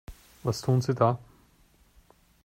Was tun Sie da?